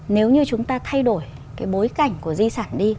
nếu như chúng ta thay đổi cái bối cảnh của di sản đi